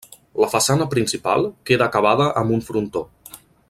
La façana principal queda acabada amb un frontó.